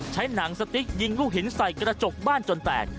หนังสติ๊กยิงลูกหินใส่กระจกบ้านจนแตก